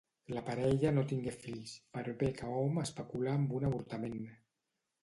La parella no tingué fills, per bé que hom especulà amb un avortament.